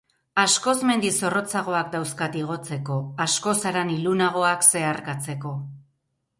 Askoz mendi zorrotzagoak dauzkat igotzeko, askoz haran ilunagoak zeharkatzeko.